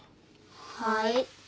はい。